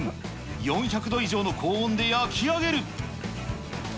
４００度以上の高温で焼き上げる。